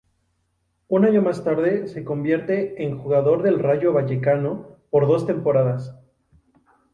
Un año más tarde se convierte en jugador del Rayo Vallecano por dos temporadas.